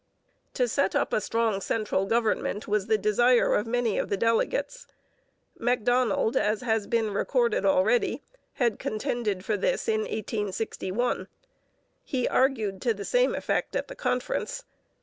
To set up a strong central government was the desire of many of the delegates. Macdonald, as has been recorded already, had contended for this in 1861. He argued to the same effect at the conference.